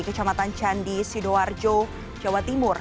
kecamatan candi sidoarjo jawa timur